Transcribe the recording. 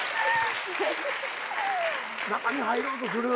中に入ろうとするやつ。